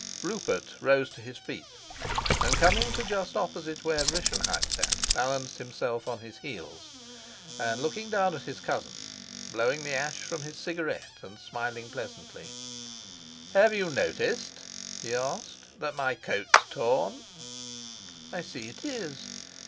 Rupert rose to his feet, and, coming just opposite to where Rischenheim sat, balanced himself on his heels, and looked down at his cousin, blowing the ash from his cigarette and smiling pleasantly. "Have you noticed," he asked, "that my coat's torn?" "I see it is."